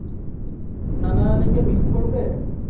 নানা নানিকে মিস করবে?